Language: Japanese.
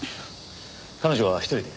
彼女は１人で？